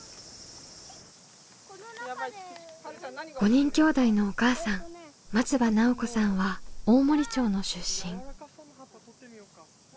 ５人きょうだいのお母さん松場奈緒子さんは大森町の出身。